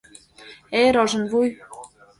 Эй, рожынвуй!..